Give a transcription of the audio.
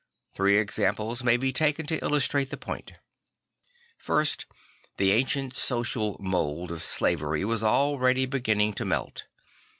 Three examples may be taken to illustrate the poin 1. First, the ancient social mould of slavery was already beginning to melt.